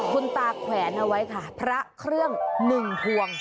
คุณตาแขวนเอาไว้ค่ะพระเครื่อง๑พวง